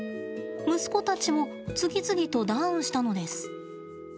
息子たちも次々とダウンしたのです。